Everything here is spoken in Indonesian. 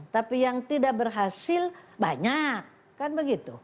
tapi yang tidak berhasil banyak kan begitu